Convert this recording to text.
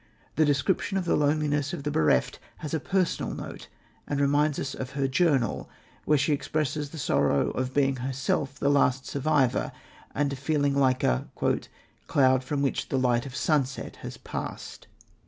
The description of the loneliness of the bereft has a personal note, and reminds us of her journal, where she expresses the sorrow of being herself the last survivor, and of feeling like a "cloud from which the light of sunset has passed."